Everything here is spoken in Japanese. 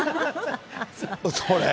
それ。